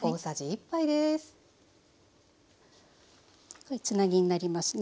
これつなぎになりますね。